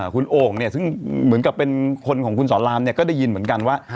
คุณโอ่งเนี่ยซึ่งเหมือนกับเป็นคนของคุณสอนรามเนี่ยก็ได้ยินเหมือนกันว่า